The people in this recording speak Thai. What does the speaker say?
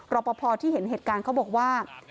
รอปภที่เห็นเหตุการณ์เขาบอกว่า